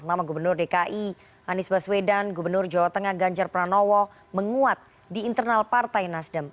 nama gubernur dki anies baswedan gubernur jawa tengah ganjar pranowo menguat di internal partai nasdem